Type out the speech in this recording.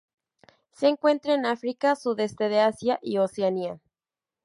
Se encuentra en África, sudeste de Asia y Oceanía..